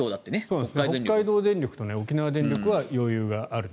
北海道電力と沖縄電力は余裕がある。